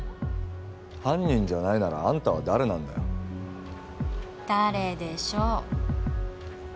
犯人じゃないならあんたは誰なんだよ誰でしょう？